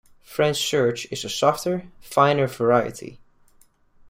French serge is a softer, finer variety.